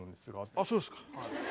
あそうですか。